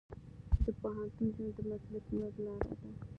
د پوهنتون ژوند د مسلکي ودې لار ده.